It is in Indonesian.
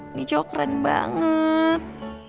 ini cowok keren banget